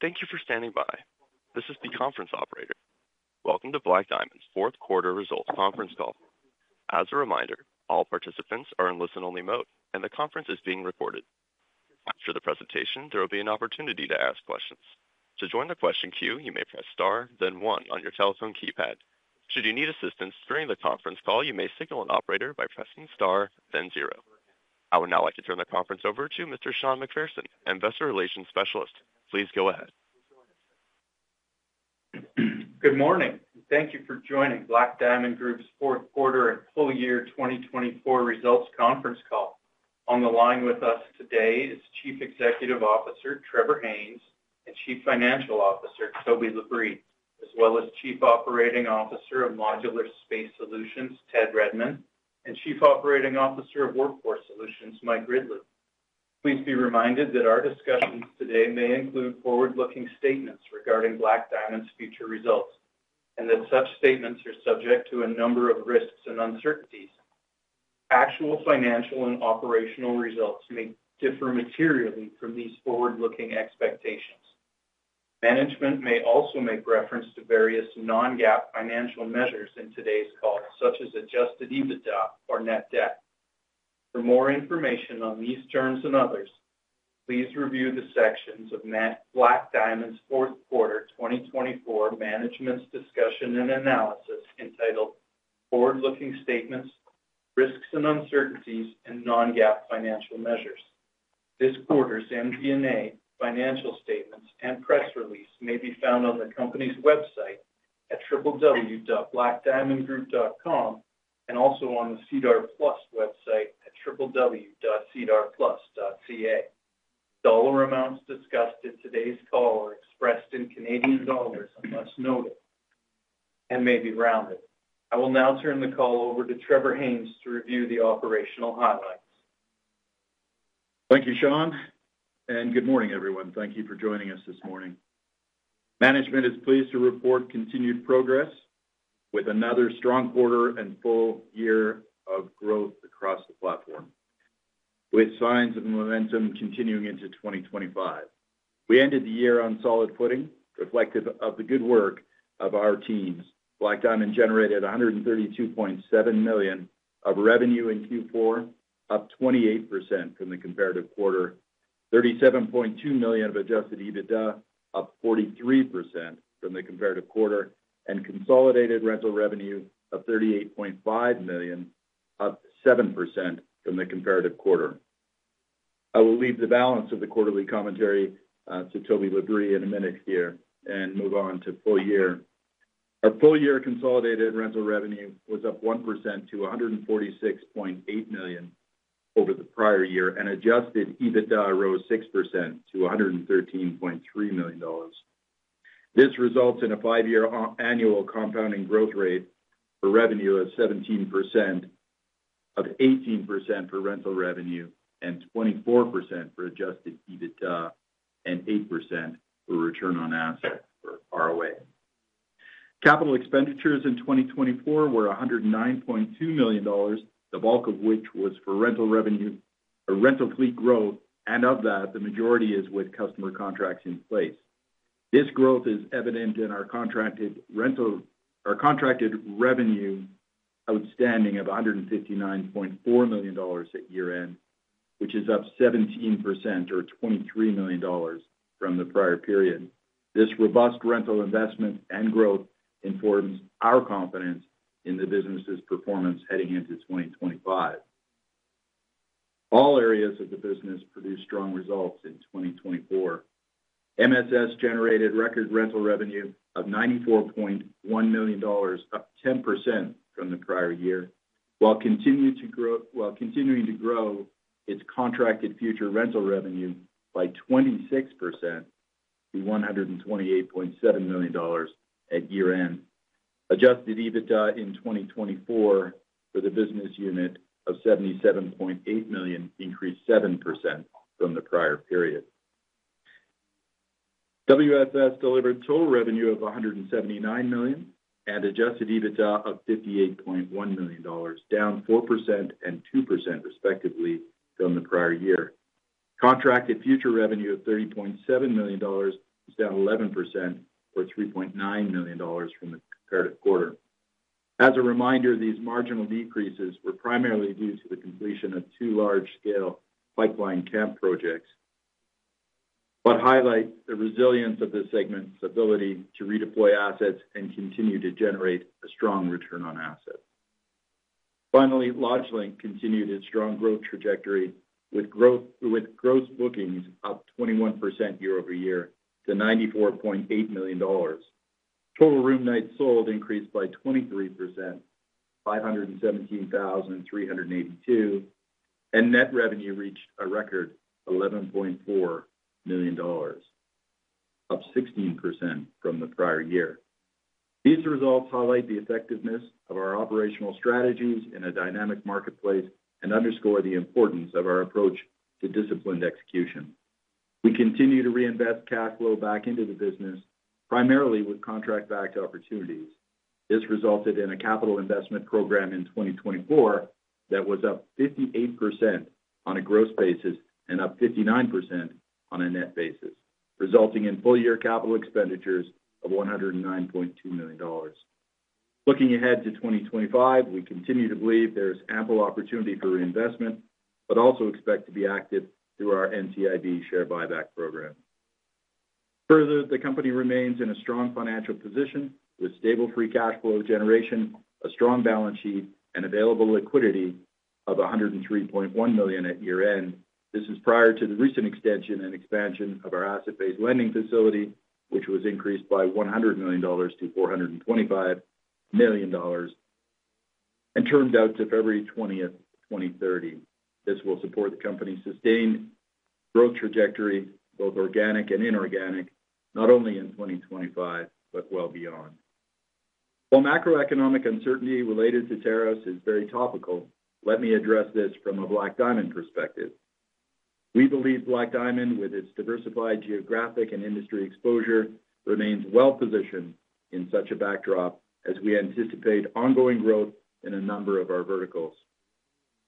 Thank you for standing by. This is the conference operator. Welcome to Black Diamond's fourth quarter results conference call. As a reminder, all participants are in listen-only mode, and the conference is being recorded. After the presentation, there will be an opportunity to ask questions. To join the question queue, you may press star, then one on your telephone keypad. Should you need assistance during the conference call, you may signal an operator by pressing star, then zero. I would now like to turn the conference over to Mr. Sean McPherson, Investor Relations Specialist. Please go ahead. Good morning. Thank you for joining Black Diamond Group's fourth quarter and full year 2024 results conference call. On the line with us today is Chief Executive Officer Trevor Haynes and Chief Financial Officer Toby Labrie, as well as Chief Operating Officer of Modular Space Solutions, Ted Redmond, and Chief Operating Officer of Workforce Solutions, Mike Ridley. Please be reminded that our discussions today may include forward-looking statements regarding Black Diamond's future results, and that such statements are subject to a number of risks and uncertainties. Actual financial and operational results may differ materially from these forward-looking expectations. Management may also make reference to various non-GAAP financial measures in today's call, such as adjusted EBITDA or net debt. For more information on these terms and others, please review the sections of Black Diamond's fourth quarter 2024 management's discussion and analysis entitled "Forward-looking Statements, Risks and Uncertainties, and Non-GAAP Financial Measures." This quarter's MD&A financial statements and press release may be found on the company's website at www.blackdiamondgroup.com and also on the SEDAR+ website at www.sedarplus.ca. Dollar amounts discussed at today's call are expressed in CAD unless noted and may be rounded. I will now turn the call over to Trevor Haynes to review the operational highlights. Thank you, Sean, and good morning, everyone. Thank you for joining us this morning. Management is pleased to report continued progress with another strong quarter and full year of growth across the platform, with signs of momentum continuing into 2025. We ended the year on solid footing, reflective of the good work of our teams. Black Diamond generated 132.7 million of revenue in Q4, up 28% from the comparative quarter, 37.2 million of adjusted EBITDA, up 43% from the comparative quarter, and consolidated rental revenue of 38.5 million, up 7% from the comparative quarter. I will leave the balance of the quarterly commentary to Toby Labrie in a minute here and move on to full year. Our full year consolidated rental revenue was up 1% to 146.8 million over the prior year, and adjusted EBITDA rose 6% to 113.3 million dollars. This results in a five-year annual compounding growth rate for revenue of 17%, of 18% for rental revenue, and 24% for adjusted EBITDA, and 8% for return on assets, or ROA. Capital expenditures in 2024 were 109.2 million dollars, the bulk of which was for rental revenue, rental fleet growth, and of that, the majority is with customer contracts in place. This growth is evident in our contracted revenue outstanding of 159.4 million dollars at year-end, which is up 17%, or 23 million dollars from the prior period. This robust rental investment and growth informs our confidence in the business's performance heading into 2025. All areas of the business produced strong results in 2024. MSS generated record rental revenue of 94.1 million dollars, up 10% from the prior year, while continuing to grow its contracted future rental revenue by 26% to 128.7 million dollars at year-end. Adjusted EBITDA in 2024 for the business unit of 77.8 million increased 7% from the prior period. WFS delivered total revenue of 179 million and adjusted EBITDA of 58.1 million dollars, down 4% and 2% respectively from the prior year. Contracted future revenue of 30.7 million dollars is down 11%, or 3.9 million dollars from the comparative quarter. As a reminder, these marginal decreases were primarily due to the completion of two large-scale pipeline camp projects, but highlight the resilience of the segment's ability to redeploy assets and continue to generate a strong return on assets. Finally, LodgeLink continued its strong growth trajectory with gross bookings up 21% year-over-year to 94.8 million dollars. Total room nights sold increased by 23% to 517,382, and net revenue reached a record 11.4 million dollars, up 16% from the prior year. These results highlight the effectiveness of our operational strategies in a dynamic marketplace and underscore the importance of our approach to disciplined execution. We continue to reinvest cash flow back into the business, primarily with contract-backed opportunities. This resulted in a capital investment program in 2024 that was up 58% on a gross basis and up 59% on a net basis, resulting in full-year capital expenditures of 109.2 million dollars. Looking ahead to 2025, we continue to believe there is ample opportunity for reinvestment, but also expect to be active through our NCIB share buyback program. Further, the company remains in a strong financial position with stable free cash flow generation, a strong balance sheet, and available liquidity of 103.1 million at year-end. This is prior to the recent extension and expansion of our asset-based lending facility, which was increased by $100 million to $425 million and termed out to February 20, 2030. This will support the company's sustained growth trajectory, both organic and inorganic, not only in 2025, but well beyond. While macroeconomic uncertainty related to tariffs is very topical, let me address this from a Black Diamond perspective. We believe Black Diamond, with its diversified geographic and industry exposure, remains well positioned in such a backdrop as we anticipate ongoing growth in a number of our verticals.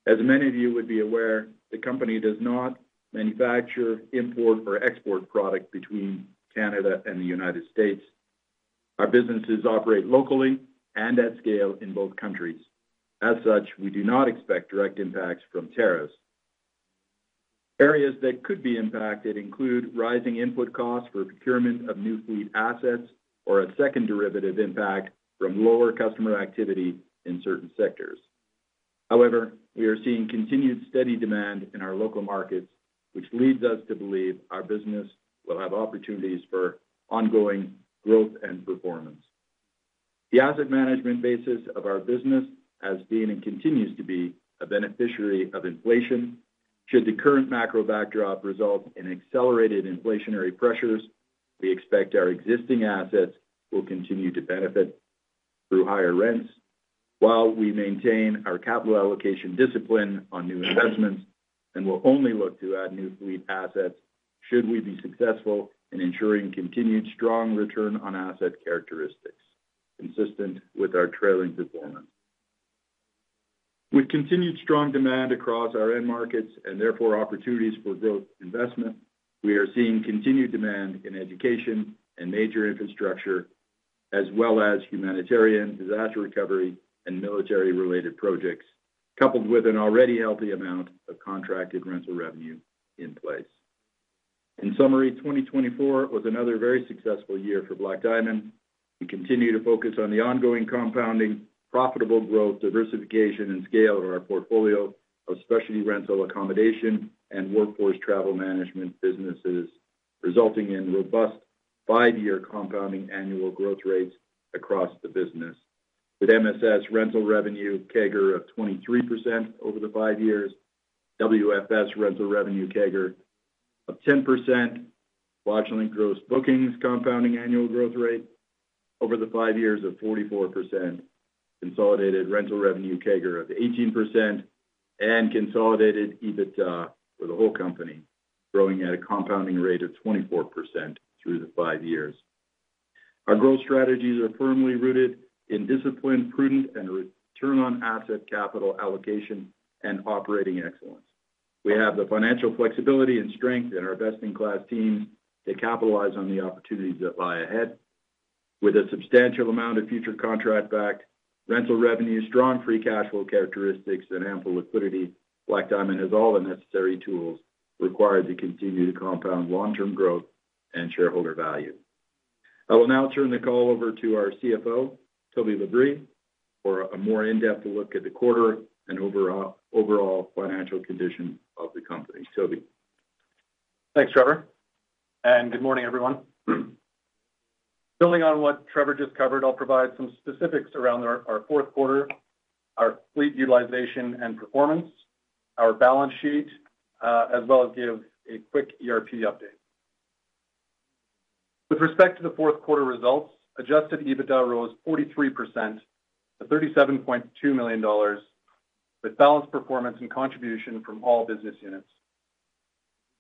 As many of you would be aware, the company does not manufacture, import, or export product between Canada and the United States. Our businesses operate locally and at scale in both countries. As such, we do not expect direct impacts from tariffs. Areas that could be impacted include rising input costs for procurement of new fleet assets or a second derivative impact from lower customer activity in certain sectors. However, we are seeing continued steady demand in our local markets, which leads us to believe our business will have opportunities for ongoing growth and performance. The asset management basis of our business has been and continues to be a beneficiary of inflation. Should the current macro backdrop result in accelerated inflationary pressures, we expect our existing assets will continue to benefit through higher rents. While we maintain our capital allocation discipline on new investments and will only look to add new fleet assets, should we be successful in ensuring continued strong return on asset characteristics consistent with our trailing performance. With continued strong demand across our end markets and therefore opportunities for growth investment, we are seeing continued demand in education and major infrastructure, as well as humanitarian disaster recovery and military-related projects, coupled with an already healthy amount of contracted rental revenue in place. In summary, 2024 was another very successful year for Black Diamond. We continue to focus on the ongoing compounding, profitable growth, diversification, and scale of our portfolio of specialty rental accommodation and workforce travel management businesses, resulting in robust five-year compounding annual growth rates across the business, with MSS rental revenue CAGR of 23% over the five years, WFS rental revenue CAGR of 10%, LodgeLink gross bookings compounding annual growth rate over the five years of 44%, consolidated rental revenue CAGR of 18%, and consolidated EBITDA for the whole company, growing at a compounding rate of 24% through the five years. Our growth strategies are firmly rooted in discipline, prudent, and return on asset capital allocation and operating excellence. We have the financial flexibility and strength in our best-in-class teams to capitalize on the opportunities that lie ahead. With a substantial amount of future contract-backed rental revenue, strong free cash flow characteristics, and ample liquidity, Black Diamond has all the necessary tools required to continue to compound long-term growth and shareholder value. I will now turn the call over to our CFO, Toby Labrie, for a more in-depth look at the quarter and overall financial condition of the company. Toby. Thanks, Trevor. Good morning, everyone. Building on what Trevor just covered, I'll provide some specifics around our fourth quarter, our fleet utilization and performance, our balance sheet, as well as give a quick ERP update. With respect to the fourth quarter results, adjusted EBITDA rose 43% to 37.2 million dollars, with balanced performance and contribution from all business units.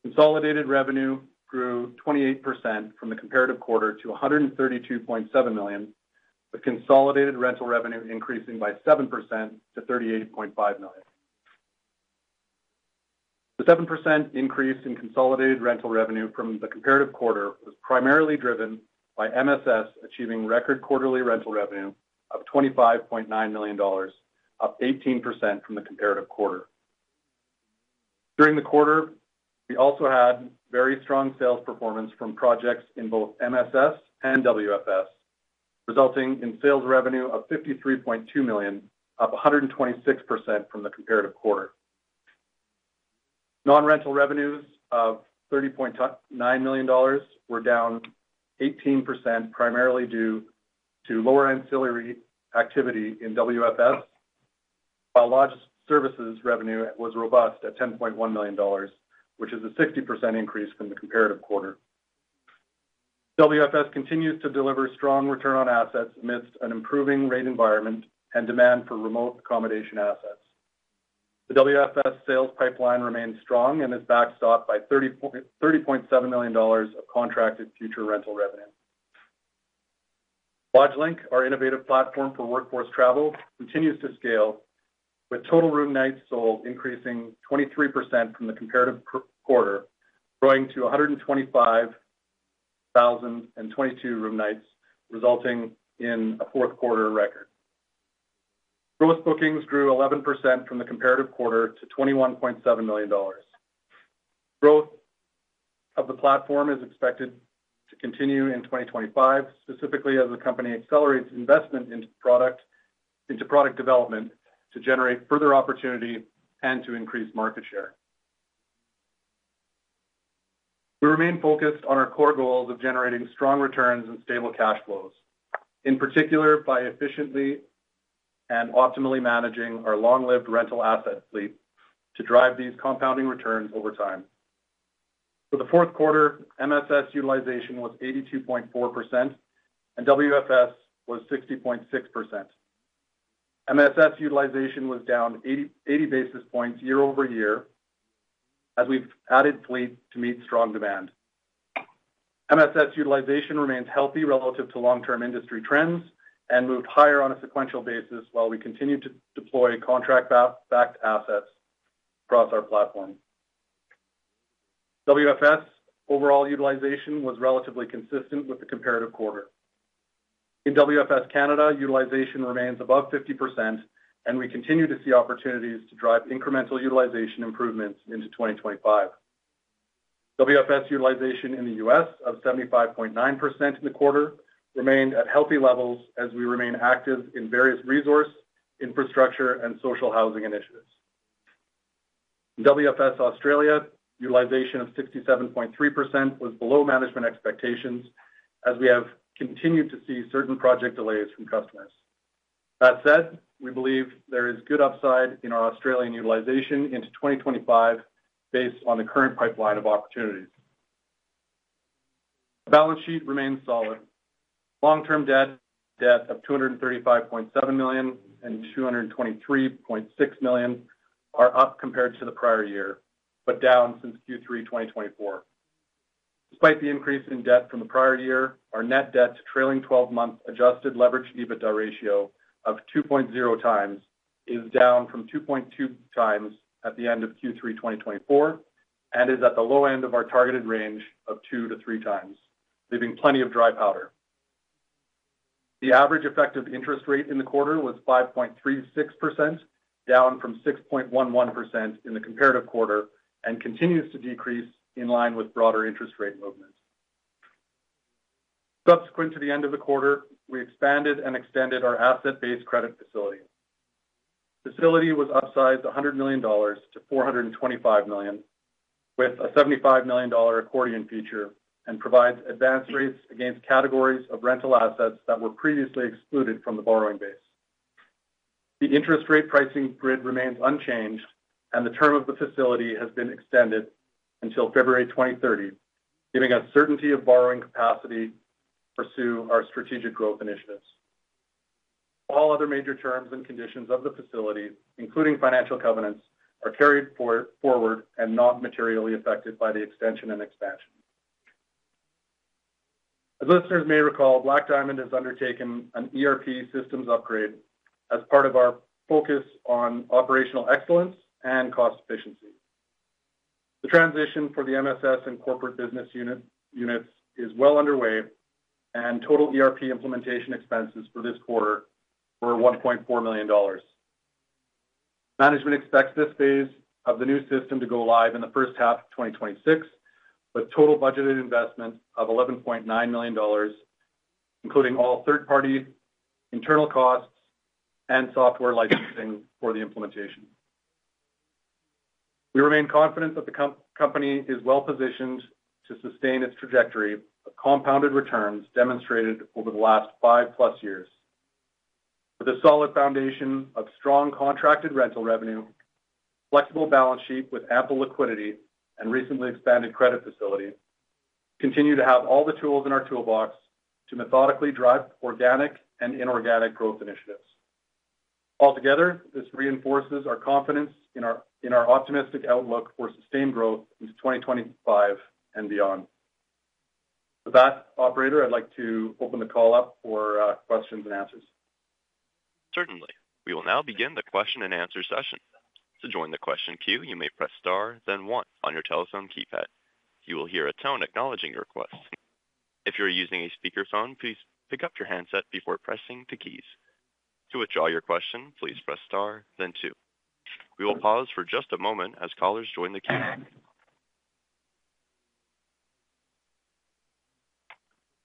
Consolidated revenue grew 28% from the comparative quarter to 132.7 million, with consolidated rental revenue increasing by 7% to 38.5 million. The 7% increase in consolidated rental revenue from the comparative quarter was primarily driven by MSS achieving record quarterly rental revenue of 25.9 million dollars, up 18% from the comparative quarter. During the quarter, we also had very strong sales performance from projects in both MSS and WFS, resulting in sales revenue of 53.2 million, up 126% from the comparative quarter. Non-rental revenues of 30.9 million dollars were down 18%, primarily due to lower ancillary activity in WFS, while Lodge Services revenue was robust at 10.1 million dollars, which is a 60% increase from the comparative quarter. WFS continues to deliver strong return on assets amidst an improving rate environment and demand for remote accommodation assets. The WFS sales pipeline remains strong and is backstopped by 30.7 million dollars of contracted future rental revenue. LodgeLink, our innovative platform for workforce travel, continues to scale, with total room nights sold increasing 23% from the comparative quarter, growing to 125,022 room nights, resulting in a fourth quarter record. Gross bookings grew 11% from the comparative quarter to 21.7 million dollars. Growth of the platform is expected to continue in 2025, specifically as the company accelerates investment into product development to generate further opportunity and to increase market share. We remain focused on our core goals of generating strong returns and stable cash flows, in particular by efficiently and optimally managing our long-lived rental asset fleet to drive these compounding returns over time. For the fourth quarter, MSS utilization was 82.4%, and WFS was 60.6%. MSS utilization was down 80 basis points year-over-year as we've added fleet to meet strong demand. MSS utilization remains healthy relative to long-term industry trends and moved higher on a sequential basis while we continue to deploy contract-backed assets across our platform. WFS overall utilization was relatively consistent with the comparative quarter. In WFS Canada, utilization remains above 50%, and we continue to see opportunities to drive incremental utilization improvements into 2025. WFS utilization in the U.S. of 75.9% in the quarter remained at healthy levels as we remain active in various resource, infrastructure, and social housing initiatives. In WFS Australia, utilization of 67.3% was below management expectations as we have continued to see certain project delays from customers. That said, we believe there is good upside in our Australian utilization into 2025 based on the current pipeline of opportunities. The balance sheet remains solid. Long-term debt of 235.7 million and 223.6 million are up compared to the prior year, but down since Q3 2024. Despite the increase in debt from the prior year, our net debt to trailing 12-month adjusted leverage EBITDA ratio of 2.0 times is down from 2.2 times at the end of Q3 2024 and is at the low end of our targeted range of 2-3 times, leaving plenty of dry powder. The average effective interest rate in the quarter was 5.36%, down from 6.11% in the comparative quarter and continues to decrease in line with broader interest rate movement. Subsequent to the end of the quarter, we expanded and extended our asset-based credit facility. The facility was upsized 100 million dollars to 425 million, with a 75 million dollar accordion feature and provides advance rates against categories of rental assets that were previously excluded from the borrowing base. The interest rate pricing grid remains unchanged, and the term of the facility has been extended until February 2030, giving us certainty of borrowing capacity to pursue our strategic growth initiatives. All other major terms and conditions of the facility, including financial covenants, are carried forward and not materially affected by the extension and expansion. As listeners may recall, Black Diamond has undertaken an ERP systems upgrade as part of our focus on operational excellence and cost efficiency. The transition for the MSS and corporate business units is well underway, and total ERP implementation expenses for this quarter were 1.4 million dollars. Management expects this phase of the new system to go live in the first half of 2026, with total budgeted investment of 11.9 million dollars, including all third-party internal costs and software licensing for the implementation. We remain confident that the company is well positioned to sustain its trajectory of compounded returns demonstrated over the last five-plus years. With a solid foundation of strong contracted rental revenue, flexible balance sheet with ample liquidity, and recently expanded credit facility, we continue to have all the tools in our toolbox to methodically drive organic and inorganic growth initiatives. Altogether, this reinforces our confidence in our optimistic outlook for sustained growth into 2025 and beyond. With that, Operator, I'd like to open the call up for questions and answers. Certainly. We will now begin the question and answer session. To join the question queue, you may press star, then one on your telephone keypad. You will hear a tone acknowledging your request. If you're using a speakerphone, please pick up your handset before pressing the keys. To withdraw your question, please press star, then two. We will pause for just a moment as callers join the queue.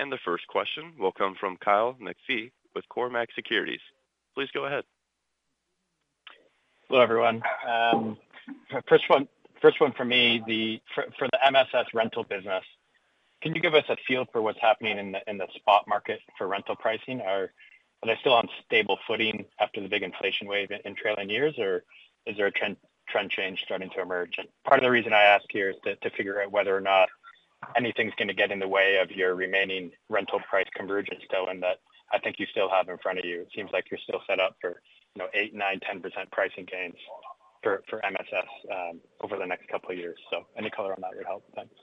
The first question will come from Kyle McPhee with Cormark Securities. Please go ahead. Hello, everyone. First one for me, for the MSS rental business. Can you give us a feel for what's happening in the spot market for rental pricing? Are they still on stable footing after the big inflation wave in trailing years, or is there a trend change starting to emerge? Part of the reason I ask here is to figure out whether or not anything's going to get in the way of your remaining rental price convergence, tailwind, that I think you still have in front of you. It seems like you're still set up for 8-10% pricing gains for MSS over the next couple of years. Any color on that would help. Thanks.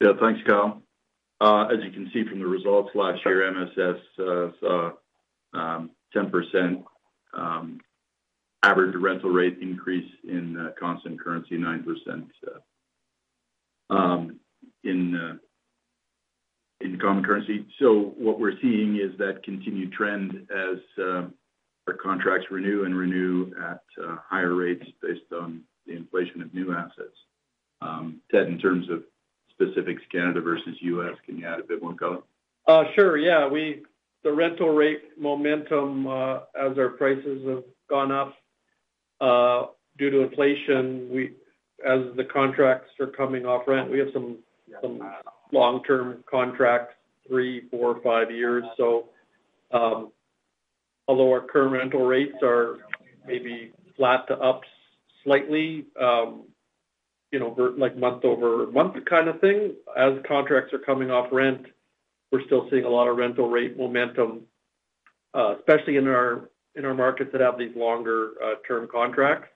Yeah, thanks, Kyle. As you can see from the results last year, MSS saw a 10% average rental rate increase in constant currency, 9% in common currency. What we're seeing is that continued trend as our contracts renew and renew at higher rates based on the inflation of new assets. Ted, in terms of specifics Canada versus US, can you add a bit more, Kyle? Sure. Yeah. The rental rate momentum, as our prices have gone up due to inflation, as the contracts are coming off rent, we have some long-term contracts, three, four, five years. Although our current rental rates are maybe flat to up slightly, like month-over-month kind of thing, as contracts are coming off rent, we're still seeing a lot of rental rate momentum, especially in our markets that have these longer-term contracts.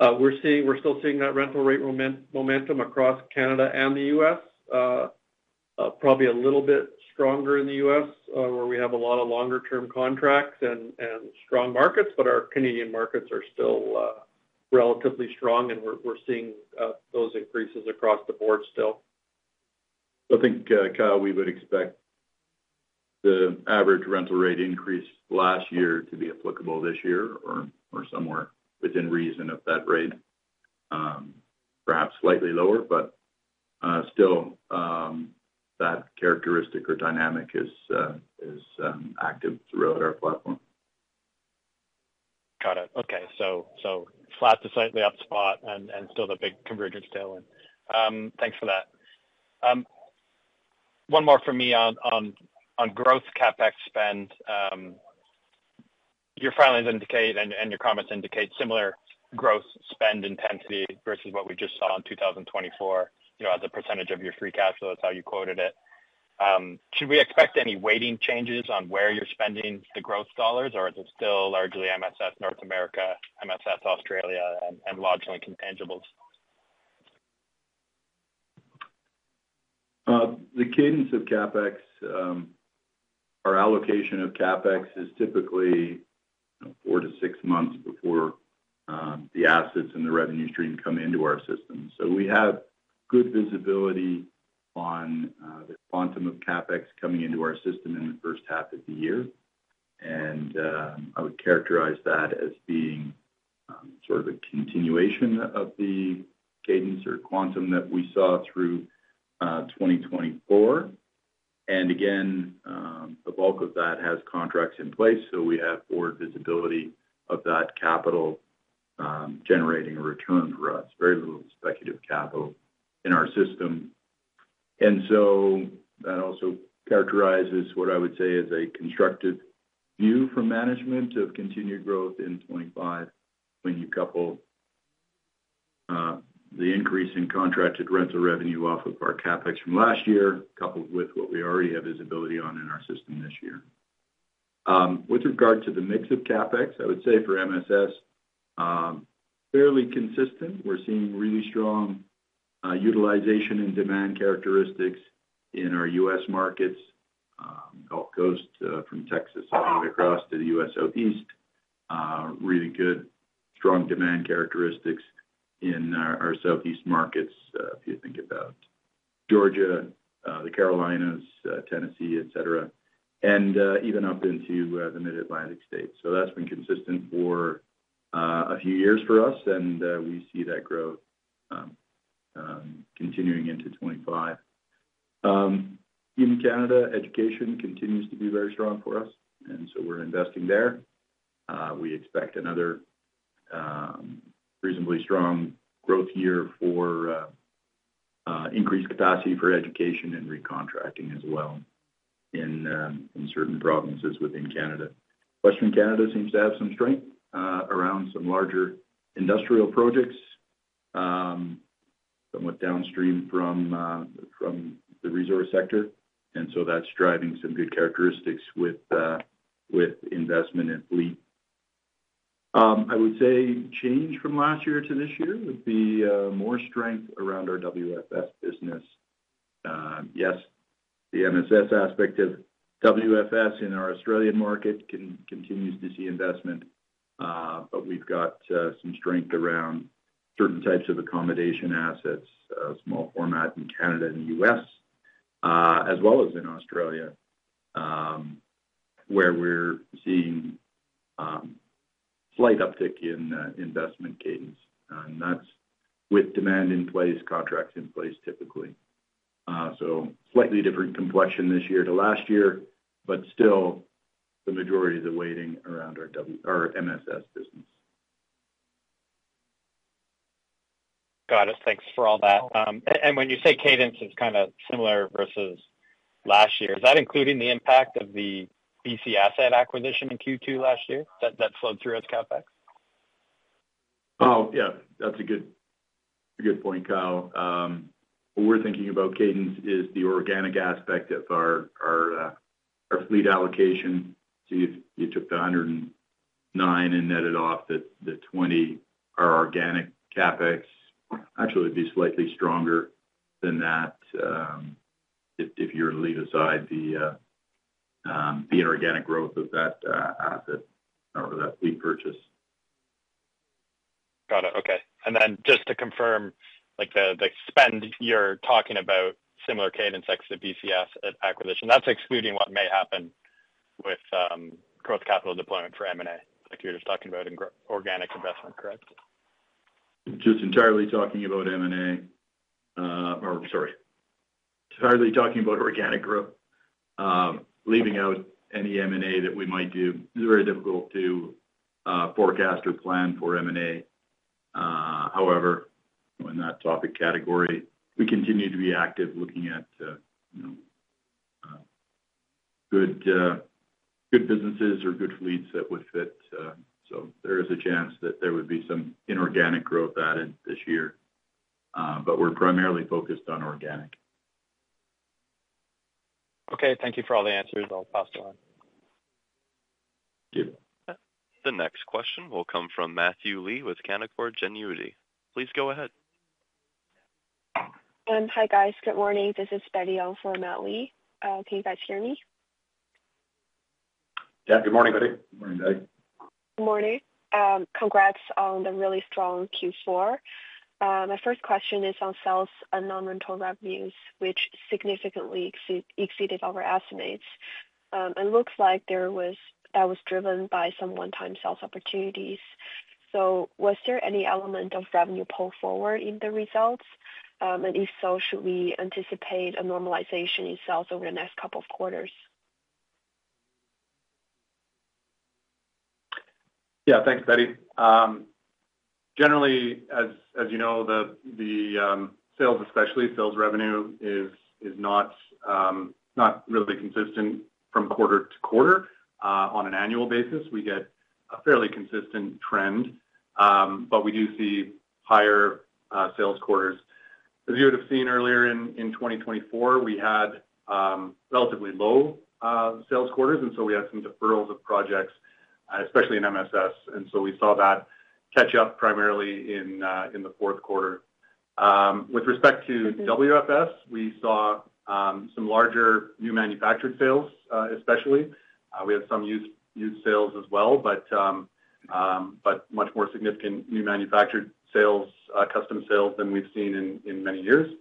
We're still seeing that rental rate momentum across Canada and the U.S., probably a little bit stronger in the U.S., where we have a lot of longer-term contracts and strong markets, but our Canadian markets are still relatively strong, and we're seeing those increases across the board still. I think, Kyle, we would expect the average rental rate increase last year to be applicable this year or somewhere within reason of that rate, perhaps slightly lower, but still that characteristic or dynamic is active throughout our platform. Got it. Okay. Flat to slightly up spot and still the big convergence tailwind. Thanks for that. One more from me on growth CapEx spend. Your filings and your comments indicate similar growth spend intensity versus what we just saw in 2024 as a percentage of your free cash flow, that's how you quoted it. Should we expect any weighting changes on where you're spending the growth dollars, or is it still largely MSS North America, MSS Australia, and LodgeLink intangibles? The cadence of CapEx, our allocation of CapEx is typically four to six months before the assets and the revenue stream come into our system. We have good visibility on the quantum of CapEx coming into our system in the first half of the year. I would characterize that as being sort of a continuation of the cadence or quantum that we saw through 2024. The bulk of that has contracts in place, so we have forward visibility of that capital generating a return for us, very little speculative capital in our system. That also characterizes what I would say is a constructive view from management of continued growth in 2025 when you couple the increase in contracted rental revenue off of our CapEx from last year, coupled with what we already have visibility on in our system this year. With regard to the mix of CapEx, I would say for MSS, fairly consistent. We're seeing really strong utilization and demand characteristics in our US markets, Gulf Coast from Texas all the way across to the US southeast, really good strong demand characteristics in our southeast markets, if you think about Georgia, the Carolinas, Tennessee, etc., and even up into the Mid-Atlantic states. That has been consistent for a few years for us, and we see that growth continuing into 2025. In Canada, education continues to be very strong for us, and so we're investing there. We expect another reasonably strong growth year for increased capacity for education and recontracting as well in certain provinces within Canada. Western Canada seems to have some strength around some larger industrial projects, somewhat downstream from the resource sector, and that is driving some good characteristics with investment in fleet. I would say change from last year to this year would be more strength around our WFS business. Yes, the MSS aspect of WFS in our Australian market continues to see investment, but we have got some strength around certain types of accommodation assets, small format in Canada and the US, as well as in Australia, where we are seeing slight uptick in investment cadence. That is with demand in place, contracts in place typically. Slightly different complexion this year to last year, but still the majority of the weighting around our MSS business. Got it. Thanks for all that. When you say cadence, it's kind of similar versus last year. Is that including the impact of the BC asset acquisition in Q2 last year that flowed through as CapEx? Oh, yeah. That's a good point, Kyle. What we're thinking about cadence is the organic aspect of our fleet allocation. If you took the 109 and netted off the 20, our organic CapEx actually would be slightly stronger than that if you were to leave aside the inorganic growth of that asset or that fleet purchase. Got it. Okay. And then just to confirm, the spend you're talking about, similar cadence exit BC asset acquisition, that's excluding what may happen with growth capital deployment for M&A, like you were just talking about in organic investment, correct? Just entirely talking about M&A or sorry, entirely talking about organic growth, leaving out any M&A that we might do. It's very difficult to forecast or plan for M&A. However, in that topic category, we continue to be active looking at good businesses or good fleets that would fit. There is a chance that there would be some inorganic growth added this year, but we're primarily focused on organic. Okay. Thank you for all the answers. I'll pass it on. Good. The next question will come from Matthew Lee with Canaccord Genuity. Please go ahead. Hi, guys. Good morning. This is Betty O for Matt Lee. Can you guys hear me? Yeah. Good morning, Betty. Good morning. Congrats on the really strong Q4. My first question is on sales and non-rental revenues, which significantly exceeded our estimates. It looks like that was driven by some one-time sales opportunities. Was there any element of revenue pulled forward in the results? If so, should we anticipate a normalization in sales over the next couple of quarters? Yeah. Thanks, Betty. Generally, as you know, the sales, especially sales revenue, is not really consistent from quarter to quarter. On an annual basis, we get a fairly consistent trend, but we do see higher sales quarters. As you would have seen earlier in 2024, we had relatively low sales quarters, and we had some deferrals of projects, especially in MSS. We saw that catch up primarily in the fourth quarter. With respect to WFS, we saw some larger new manufactured sales, especially. We had some used sales as well, but much more significant new manufactured sales, custom sales than we've seen in many years.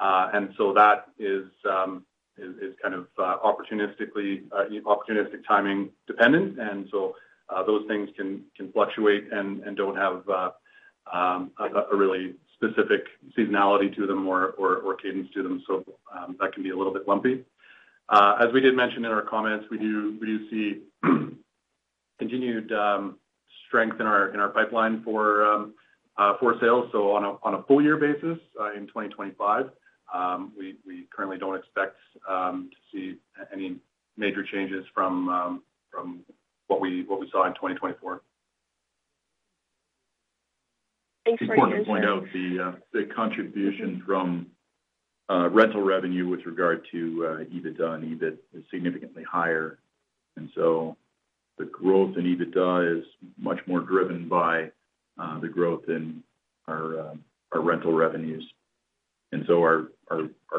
That is kind of opportunistically opportunistic timing dependent. Those things can fluctuate and do not have a really specific seasonality to them or cadence to them. That can be a little bit lumpy. As we did mention in our comments, we do see continued strength in our pipeline for sales. On a full-year basis in 2025, we currently do not expect to see any major changes from what we saw in 2024. Thanks for your insight. Important point out, the contribution from rental revenue with regard to EBITDA and EBIT is significantly higher. The growth in EBITDA is much more driven by the growth in our rental revenues. Our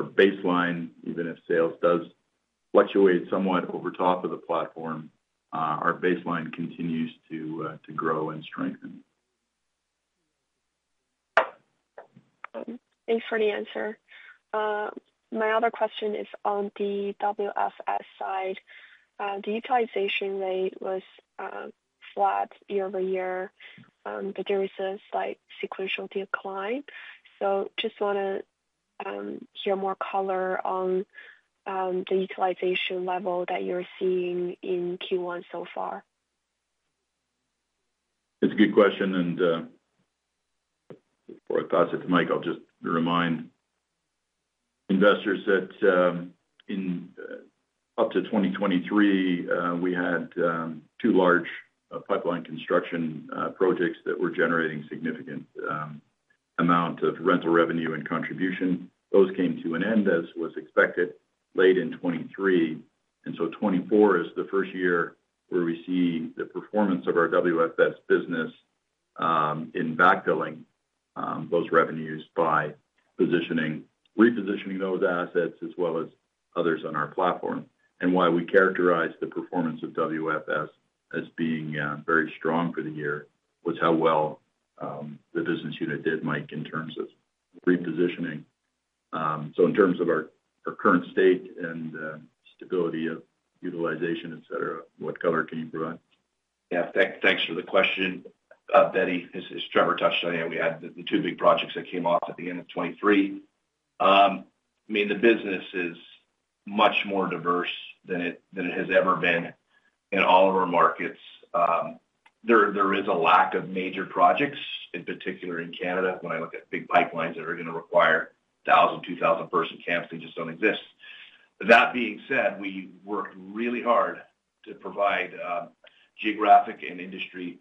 baseline, even if sales does fluctuate somewhat over top of the platform, our baseline continues to grow and strengthen. Thanks for the answer. My other question is on the WFS side. The utilization rate was flat year over year, but there was a slight sequential decline. Just want to hear more color on the utilization level that you're seeing in Q1 so far. That's a good question. Before I pass it to Mike, I'll just remind investors that in up to 2023, we had two large pipeline construction projects that were generating significant amounts of rental revenue and contribution. Those came to an end, as was expected, late in 2023. 2024 is the first year where we see the performance of our WFS business in backfilling those revenues by repositioning those assets as well as others on our platform. Why we characterize the performance of WFS as being very strong for the year was how well the business unit did, Mike, in terms of repositioning. In terms of our current state and stability of utilization, etc., what color can you provide? Yeah. Thanks for the question, Betty. This is Trevor Haynes. We had the two big projects that came off at the end of 2023. I mean, the business is much more diverse than it has ever been in all of our markets. There is a lack of major projects, in particular in Canada, when I look at big pipelines that are going to require 1,000, 2,000-person camps that just do not exist. That being said, we worked really hard to provide geographic and industry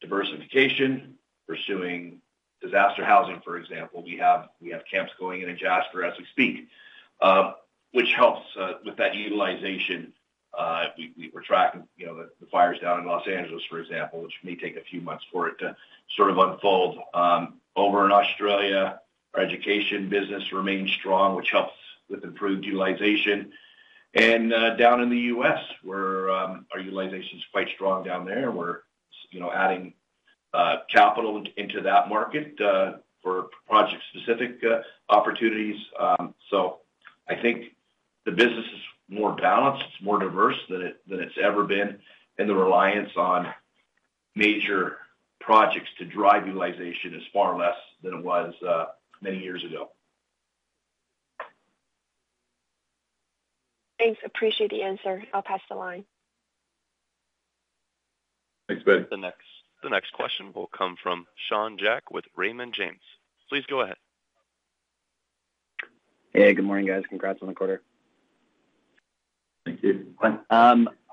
diversification, pursuing disaster housing, for example. We have camps going in a Jasper as we speak, which helps with that utilization. We were tracking the fires down in Los Angeles, for example, which may take a few months for it to sort of unfold. Over in Australia, our education business remains strong, which helps with improved utilization. In the U.S., our utilization is quite strong down there. We are adding capital into that market for project-specific opportunities. I think the business is more balanced, more diverse than it has ever been, and the reliance on major projects to drive utilization is far less than it was many years ago. Thanks. Appreciate the answer. I'll pass the line. Thanks, Betty. The next question will come from Sean Jack with Raymond James. Please go ahead. Hey, good morning, guys. Congrats on the quarter. Thank you.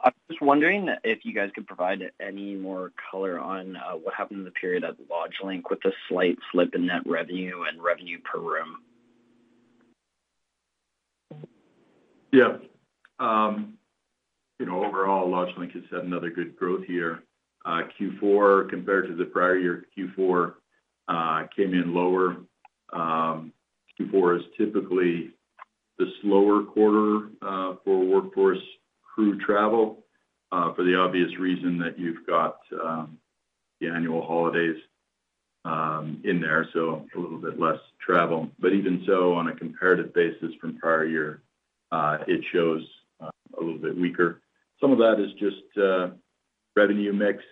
I'm just wondering if you guys could provide any more color on what happened in the period at LodgeLink with a slight slip in net revenue and revenue per room. Yeah. Overall, LodgeLink has had another good growth year. Q4, compared to the prior year, Q4 came in lower. Q4 is typically the slower quarter for workforce crew travel for the obvious reason that you've got the annual holidays in there, so a little bit less travel. Even so, on a comparative basis from prior year, it shows a little bit weaker. Some of that is just revenue mix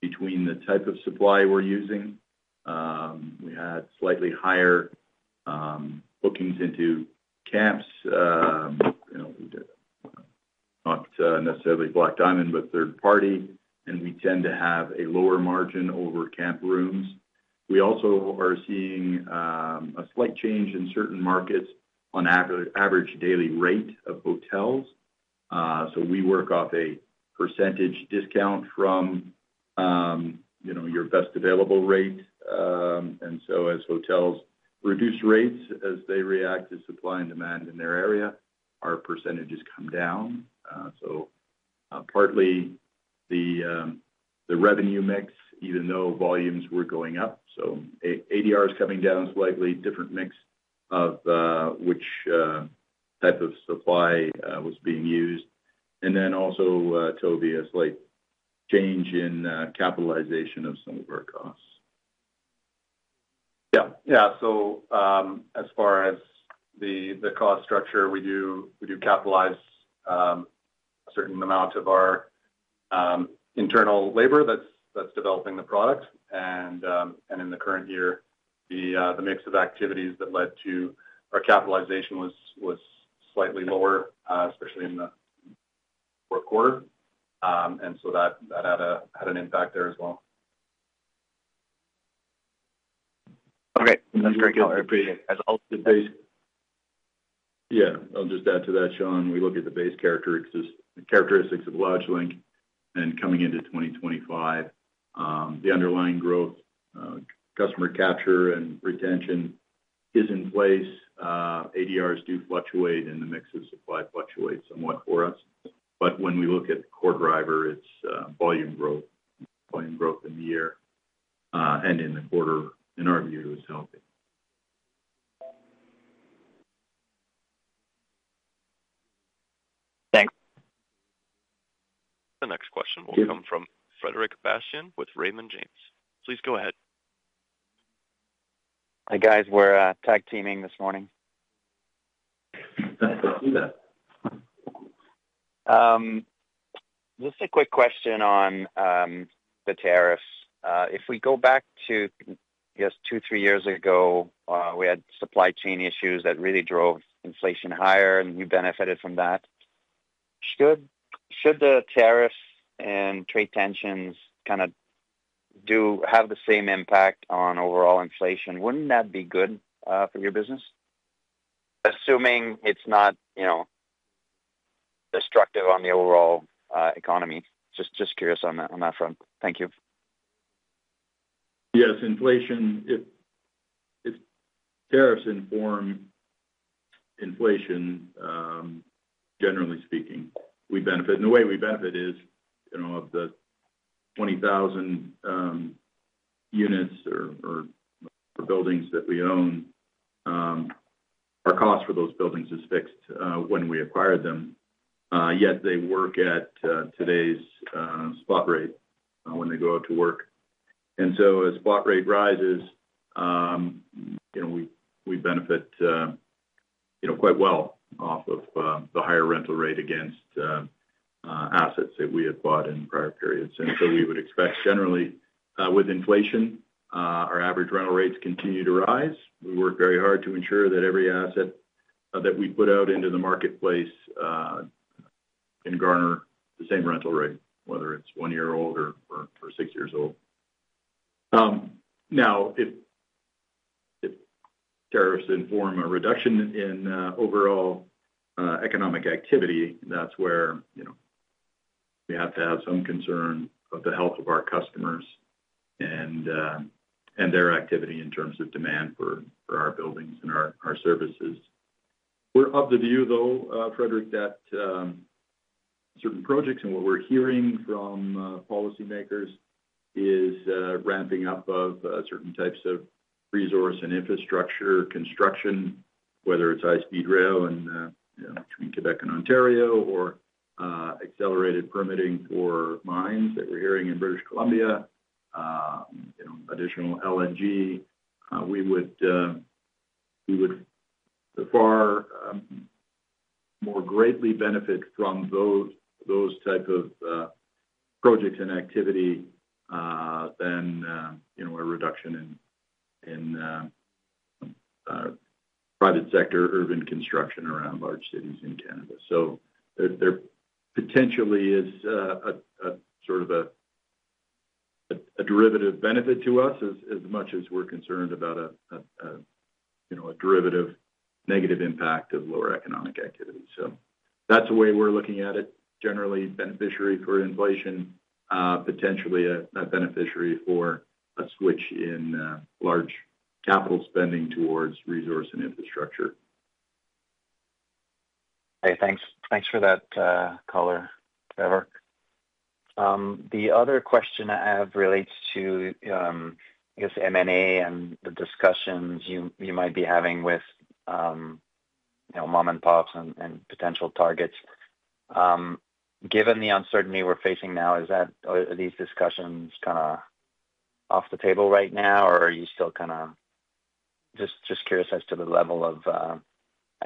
between the type of supply we're using. We had slightly higher bookings into camps, not necessarily Black Diamond, but third party, and we tend to have a lower margin over camp rooms. We also are seeing a slight change in certain markets on average daily rate of hotels. We work off a percentage discount from your best available rate. As hotels reduce rates, as they react to supply and demand in their area, our percentages come down. Partly the revenue mix, even though volumes were going up. ADR is coming down slightly, different mix of which type of supply was being used. Then also, Toby, a slight change in capitalization of some of our costs. Yeah. As far as the cost structure, we do capitalize a certain amount of our internal labor that's developing the product. In the current year, the mix of activities that led to our capitalization was slightly lower, especially in the fourth quarter. That had an impact there as well. Okay. That's great. I appreciate it. Yeah. I'll just add to that, Sean. We look at the base characteristics of LodgeLink, and coming into 2025, the underlying growth, customer capture and retention is in place. ADRs do fluctuate, and the mix of supply fluctuates somewhat for us. When we look at core driver, it's volume growth. Volume growth in the year and in the quarter, in our view, is healthy. Thanks. The next question will come from Frederick Bastian with Raymond James. Please go ahead. Hi, guys. We're tag teaming this morning. Just a quick question on the tariffs. If we go back to, I guess, two, three years ago, we had supply chain issues that really drove inflation higher, and you benefited from that. Should the tariffs and trade tensions kind of have the same impact on overall inflation? Wouldn't that be good for your business? Assuming it's not destructive on the overall economy. Just curious on that front. Thank you. Yes. Tariffs inform inflation, generally speaking. The way we benefit is of the 20,000 units or buildings that we own, our cost for those buildings is fixed when we acquired them. Yet they work at today's spot rate when they go out to work. As spot rate rises, we benefit quite well off of the higher rental rate against assets that we had bought in prior periods. We would expect, generally, with inflation, our average rental rates continue to rise. We work very hard to ensure that every asset that we put out into the marketplace can garner the same rental rate, whether it's one year old or six years old. Now, if tariffs inform a reduction in overall economic activity, that's where we have to have some concern of the health of our customers and their activity in terms of demand for our buildings and our services. We're of the view, though, Frederick, that certain projects and what we're hearing from policymakers is ramping up of certain types of resource and infrastructure construction, whether it's high-speed rail between Quebec and Ontario or accelerated permitting for mines that we're hearing in British Columbia, additional LNG. We would far more greatly benefit from those types of projects and activity than a reduction in private sector urban construction around large cities in Canada. There potentially is sort of a derivative benefit to us as much as we're concerned about a derivative negative impact of lower economic activity. That's the way we're looking at it, generally beneficiary for inflation, potentially a beneficiary for a switch in large capital spending towards resource and infrastructure. Okay. Thanks for that, Trevor. The other question I have relates to, I guess, M&A and the discussions you might be having with mom-and-pops and potential targets. Given the uncertainty we're facing now, are these discussions kind of off the table right now, or are you still kind of just curious as to the level of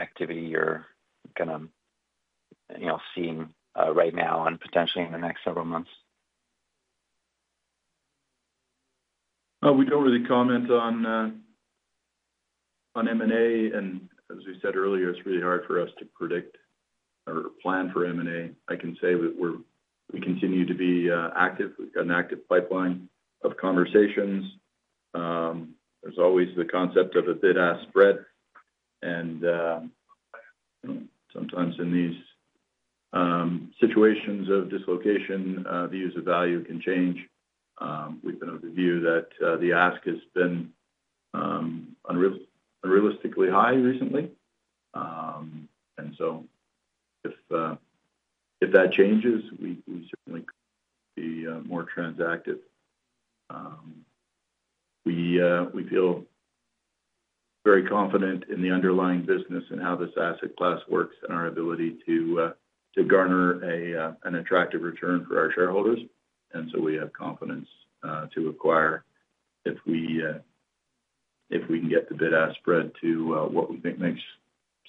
activity you're kind of seeing right now and potentially in the next several months? We do not really comment on M&A. As we said earlier, it is really hard for us to predict or plan for M&A. I can say that we continue to be active. We have got an active pipeline of conversations. There is always the concept of a bid-ask spread. Sometimes in these situations of dislocation, the use of value can change. We have been of the view that the ask has been unrealistically high recently. If that changes, we certainly could be more transactive. We feel very confident in the underlying business and how this asset class works and our ability to garner an attractive return for our shareholders. We have confidence to acquire if we can get the bid-ask spread to what we think makes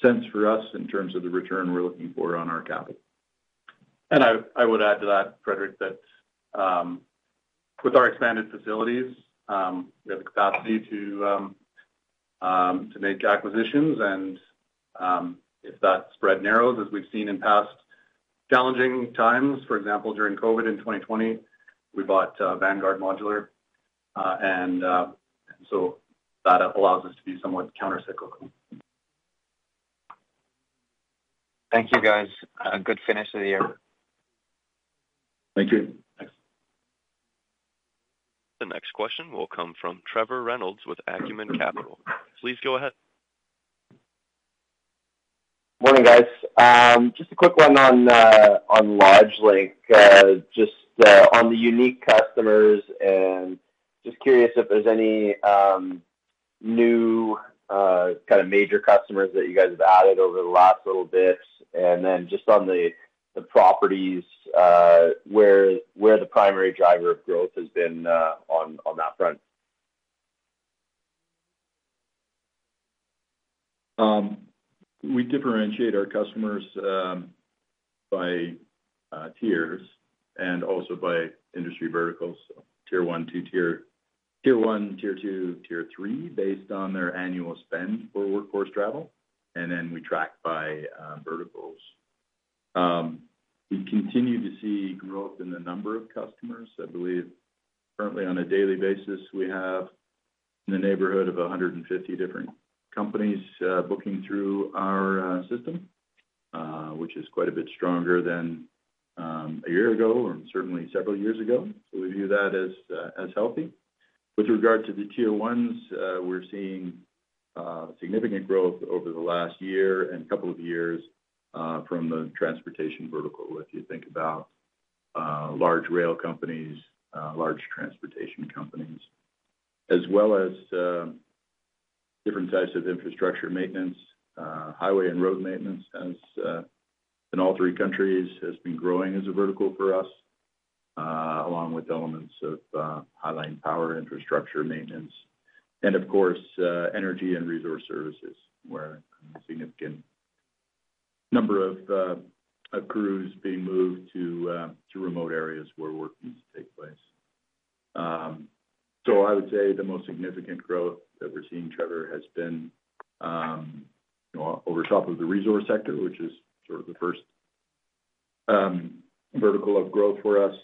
sense for us in terms of the return we are looking for on our capital. I would add to that, Frederick, that with our expanded facilities, we have the capacity to make acquisitions. If that spread narrows, as we've seen in past challenging times, for example, during COVID in 2020, we bought Vanguard Modular. That allows us to be somewhat countercyclical. Thank you, guys. Good finish of the year. Thank you. The next question will come from Trevor Reynolds with Acumen Capital. Please go ahead. Morning, guys. Just a quick one on LodgeLink, just on the unique customers, and just curious if there's any new kind of major customers that you guys have added over the last little bit. Just on the properties, where the primary driver of growth has been on that front? We differentiate our customers by tiers and also by industry verticals. Tier one, tier two, tier three based on their annual spend for workforce travel. We track by verticals. We continue to see growth in the number of customers. I believe currently on a daily basis, we have in the neighborhood of 150 different companies booking through our system, which is quite a bit stronger than a year ago or certainly several years ago. We view that as healthy. With regard to the tier ones, we're seeing significant growth over the last year and couple of years from the transportation vertical. If you think about large rail companies, large transportation companies, as well as different types of infrastructure maintenance, highway and road maintenance in all three countries has been growing as a vertical for us, along with elements of high-lying power infrastructure maintenance. Energy and resource services where a significant number of crews being moved to remote areas where work needs to take place. I would say the most significant growth that we are seeing, Trevor, has been over top of the resource sector, which is sort of the first vertical of growth for us.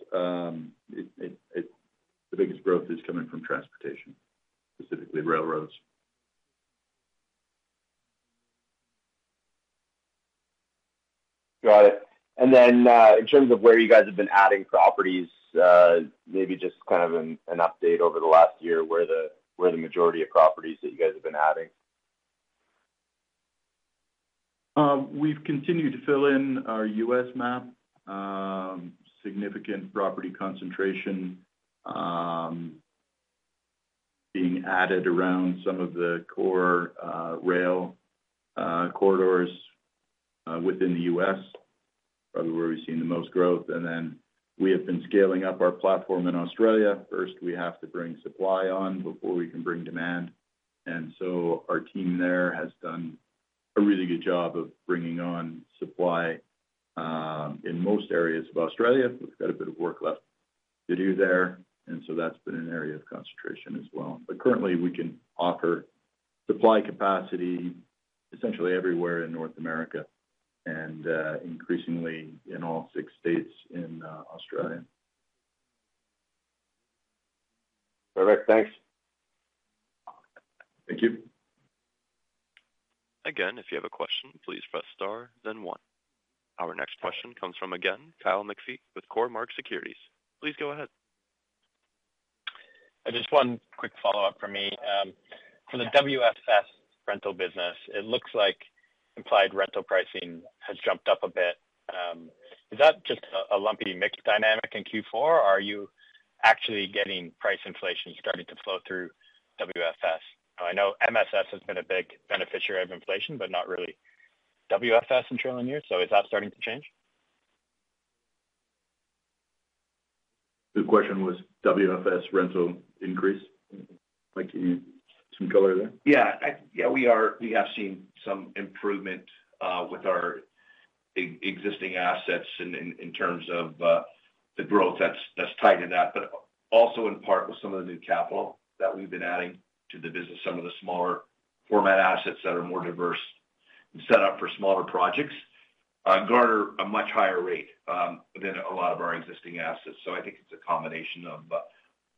The biggest growth is coming from transportation, specifically railroads. Got it. In terms of where you guys have been adding properties, maybe just kind of an update over the last year, where the majority of properties that you guys have been adding? We've continued to fill in our US map. Significant property concentration being added around some of the core rail corridors within the US, probably where we've seen the most growth. We have been scaling up our platform in Australia. First, we have to bring supply on before we can bring demand. Our team there has done a really good job of bringing on supply in most areas of Australia. We've got a bit of work left to do there. That has been an area of concentration as well. Currently, we can offer supply capacity essentially everywhere in North America and increasingly in all six states in Australia. Frederick, thanks. Thank you. Again, if you have a question, please press star, then one. Our next question comes from, again, Kyle McPhee with Cormark Securities. Please go ahead. Just one quick follow-up from me. For the WFS rental business, it looks like implied rental pricing has jumped up a bit. Is that just a lumpy mix dynamic in Q4, or are you actually getting price inflation starting to flow through WFS? I know MSS has been a big beneficiary of inflation, but not really WFS in trailing years. Is that starting to change? The question was WFS rental increase? Can you see some color there? Yeah. Yeah. We have seen some improvement with our existing assets in terms of the growth that's tied to that, but also in part with some of the new capital that we've been adding to the business, some of the smaller format assets that are more diverse and set up for smaller projects, garner a much higher rate than a lot of our existing assets. I think it's a combination of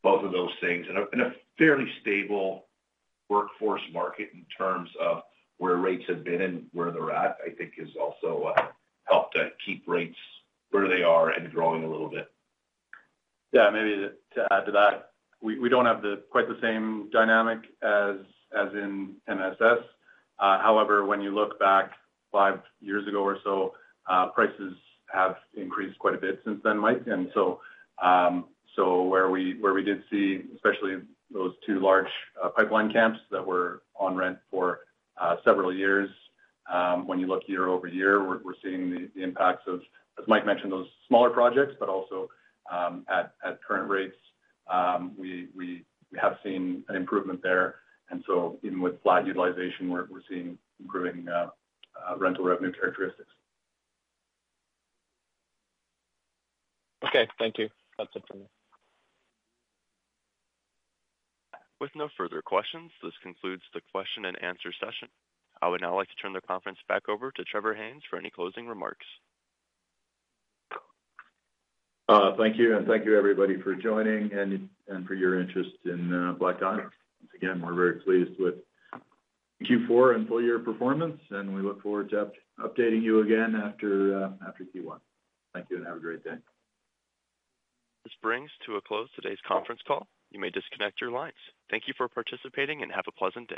both of those things. A fairly stable workforce market in terms of where rates have been and where they're at, I think, has also helped to keep rates where they are and growing a little bit. Yeah. Maybe to add to that, we do not have quite the same dynamic as in MSS. However, when you look back five years ago or so, prices have increased quite a bit since then, Mike. Where we did see, especially those two large pipeline camps that were on rent for several years, when you look year over year, we are seeing the impacts of, as Mike mentioned, those smaller projects, but also at current rates, we have seen an improvement there. Even with flat utilization, we are seeing improving rental revenue characteristics. Okay. Thank you. That's it from me. With no further questions, this concludes the question and answer session. I would now like to turn the conference back over to Trevor Haynes for any closing remarks. Thank you. Thank you, everybody, for joining and for your interest in Black Diamond. Once again, we're very pleased with Q4 and full year performance, and we look forward to updating you again after Q1. Thank you and have a great day. This brings to a close today's conference call. You may disconnect your lines. Thank you for participating and have a pleasant day.